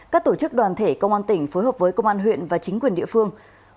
các tổ chức đoàn thể công an tỉnh phối hợp với công an huyện và chính quyền địa phương